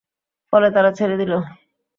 ফলে তারা ছেড়ে দিল।